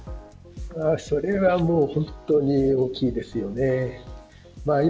それは本当に大きいですよね。